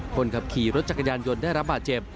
คนขับขี่รถจักรยานยนต์ได้รับบาดเจ็บ